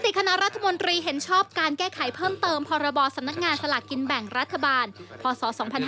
คณะรัฐมนตรีเห็นชอบการแก้ไขเพิ่มเติมพรบสำนักงานสลากกินแบ่งรัฐบาลพศ๒๕๕๙